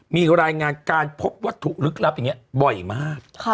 มีรายงานการพบวัตถุลึกลับอย่างนี้บ่อยมาก